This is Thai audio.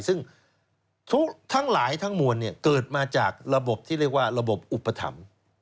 ซึ่งทุกทั้งหลายทั้งมวลเกิดมาจากระบบที่เรียกว่าระบบอุปถัมภ์